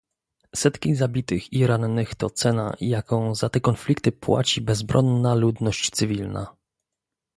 Setki zabitych i rannych to cena, jaką za te konflikty płaci bezbronna ludność cywilna